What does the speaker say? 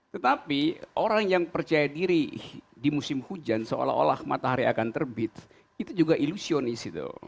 tetapi orang yang percaya diri di musim hujan seolah olah matahari akan terbit itu juga ilusionis itu